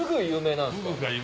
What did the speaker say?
有名なんですか？